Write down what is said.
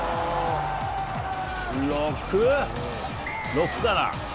６？６かな？